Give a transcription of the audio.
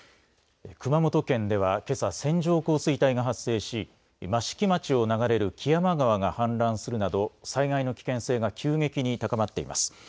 熊本県ではけさ線状降水帯が発生し益城町を流れる木山川が氾濫するなど災害の危険性が急激に高まっています。